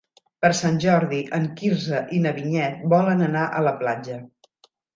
Per Sant Jordi en Quirze i na Vinyet volen anar a la platja.